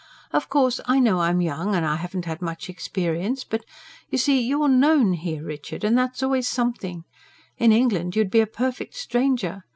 Of course, I know I'm young, and haven't had much experience, but ... You see, you're KNOWN here, Richard, and that's always something; in England you'd be a perfect stranger.